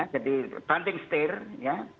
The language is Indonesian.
jadi banding setir ya